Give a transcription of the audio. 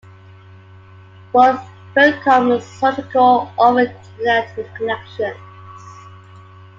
Both Philcom and Sotelco offer Internet connections.